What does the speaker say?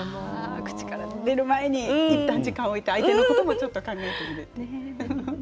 口から出る前にいったん時間を置いて相手のこともちょっと考えて。